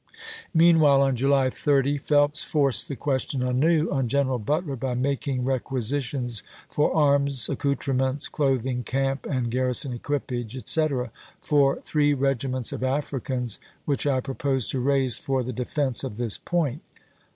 Meanwhile, on July 30, Phelps forced the ques tion anew on General Butler by making requisi tions " for arms, accouterments, clothing, camp and i^a DaA°s, garrison equipage, etc., for three regiments of 1862! ^w!'r. Africans which I propose to raise for the defense Vol. XV. p.' 534. ■' of this point."